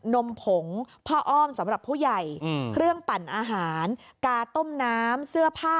นมผงพ่ออ้อมสำหรับผู้ใหญ่อืมเครื่องปั่นอาหารกาต้มน้ำ